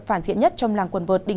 phản diện tình trạng